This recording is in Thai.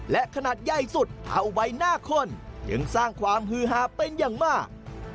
และขนาดใหญ่สุดเท่าใบหน้าคนจึงสร้างความฮือฮาเป็นอย่างมาก